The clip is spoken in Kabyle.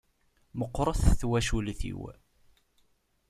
Meqqret twacult-iw.